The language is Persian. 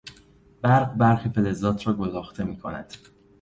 برق برخی فلزات را گداخته میکند.